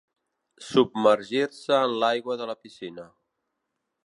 Submergir-se en l'aigua de la piscina.